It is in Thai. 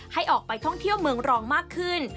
ให้ออกไปท่องเที่ยวเมืองรองมากขึ้น